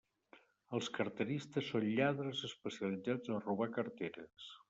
Els carteristes són lladres especialitzats a robar carteres.